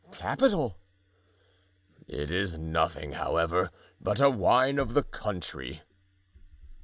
"Capital!" "It is nothing, however, but a wine of the country."